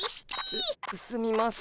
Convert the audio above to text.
すすみません。